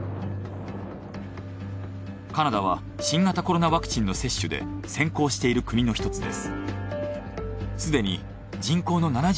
カナダは新型コロナワクチンの接種で先行している国の一つです。